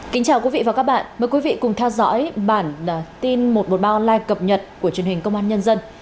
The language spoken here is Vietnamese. kính chào quý vị và các bạn mời quý vị cùng theo dõi bản tin một trăm một mươi ba online cập nhật của truyền hình công an nhân dân